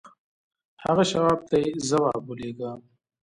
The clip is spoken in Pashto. هغه شواب ته يې ځواب ولېږه.